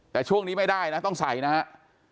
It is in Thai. แต่ช่วงนี้ไม่ได้นะต้องใส่นะครับ